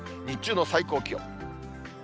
日中の最高気温。